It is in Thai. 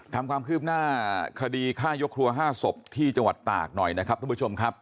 ทำความคืบหน้าคดีฆ่ายกครัว๕ศพที่จังหวัดตากหน่อยนะครับทุกผู้ชมครับ